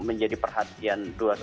menjadi perhatian dua ratus dua belas